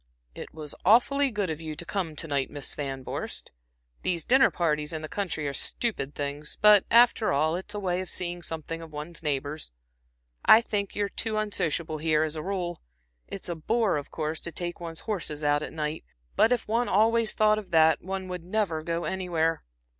"It was awfully good of you to come to night, Miss Van Vorst. These dinner parties in the country are stupid things, but, after all, it's a way of seeing something of one's neighbors. I think you're too unsociable here, as a rule. It's a bore of course to take one's horses out at night, but if one always thought of that, one would never go anywhere."